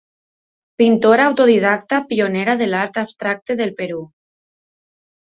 Pintora autodidacta pionera de l'art abstracte del Perú.